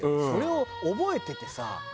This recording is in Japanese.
それを覚えててさ。